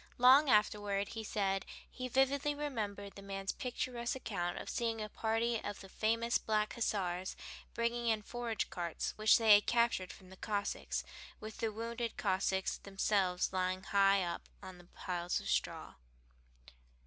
Long afterward he said he vividly remembered the man's picturesque account of seeing a party of the famous Black Hussars bringing in forage carts which they had captured from the Cossacks, with the wounded Cossacks themselves lying high up on the piles of straw.